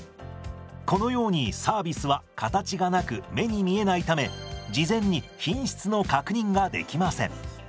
このようにサービスは形がなく目に見えないため事前に品質の確認ができません。